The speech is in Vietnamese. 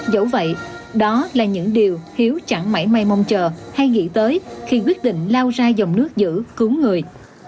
dẫu vậy đó là những điều hiếu chẳng mãi may mong chờ hay nghĩ tới khi quyết định lao ra dòng nước giữ cứu người